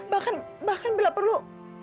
bahkan bahkan bila perlu